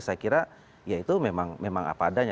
saya kira ya itu memang apa adanya